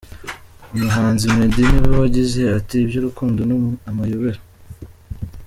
Umuhanzi Meddy niwe wagize ati iby'urukundo ni amayobera.